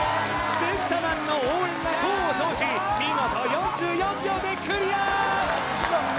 セシタマンの応援が功を奏し見事４４秒でクリア！